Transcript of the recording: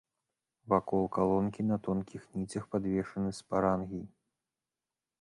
Вакол калонкі на тонкіх ніцях падвешаны спарангій.